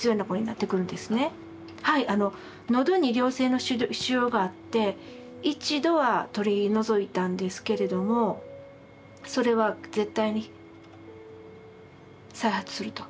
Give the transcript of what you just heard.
あの喉に良性の腫瘍があって一度は取り除いたんですけれどもそれは絶対に再発すると。